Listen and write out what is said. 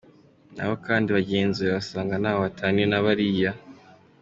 n’abo kandi bagenzuwe wasanga ntaho bataniye n’abariya.